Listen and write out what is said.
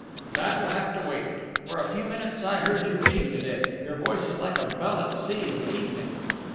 "That will have to wait. For a few minutes I heard you reading to day. Your voice is like a bell at sea in the evening.